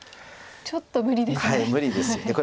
ちょっと無理ですね。